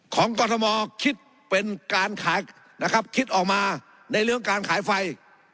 กรทมคิดเป็นการขายนะครับคิดออกมาในเรื่องการขายไฟ